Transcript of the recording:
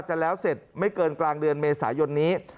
จะแล้วเสร็จไม่เกินกลางเดือนเมษายนนี้